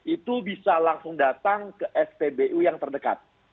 itu bisa langsung datang ke spbu yang terdekat